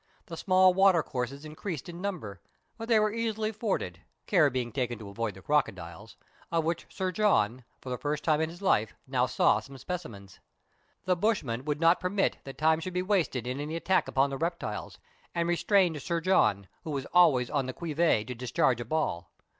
The small water courses increased in number, but they were easily forded, care being taken to avoid the crocodiles, of which Sir John, for the first time in his life, now saw some specimens. The bushman would not permit that time should be wasted in any attack upon the reptiles, and restrained Sir John, who was always on the qui vive to discharge a ball.